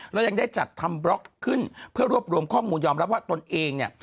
แล้วยังได้จัดทำบล็อกขึ้นเพื่อรวบรวมข้อมูลยอมรับว่าตนเองเนี่ย